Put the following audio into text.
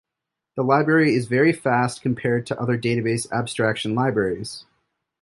The library is very fast compared to other database abstraction libraries.